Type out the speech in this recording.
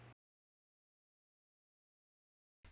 dự kiện đuga rễ nói